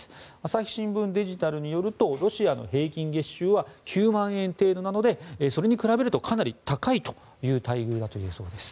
朝日新聞デジタルによるとロシアの平均月収は９万円程度なのでそれに比べるとかなり高いという待遇だと言えそうです。